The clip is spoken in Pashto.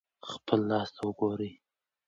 خپل لاس ته وګورئ.